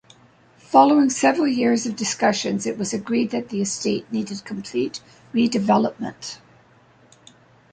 Following several years of discussions, it was agreed that the estate needed complete redevelopment.